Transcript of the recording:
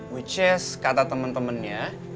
which is kata temen temennya